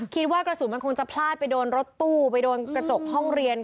คิดว่ากระสุนมันคงจะพลาดไปโดนรถตู้ไปโดนกระจกห้องเรียน